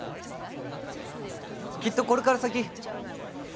きっとこれから先